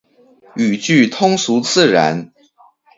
语句通俗自然